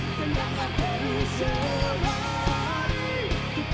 kenapa bersis menyuap